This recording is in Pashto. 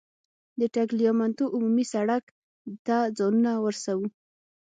د ټګلیامنتو عمومي سړک ته ځانونه ورسوو.